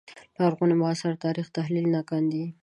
لرغوني معاصر تاریخ تحلیل نه کاندي